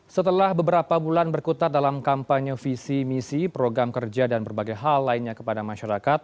setelah beberapa bulan berkutat dalam kampanye visi misi program kerja dan berbagai hal lainnya kepada masyarakat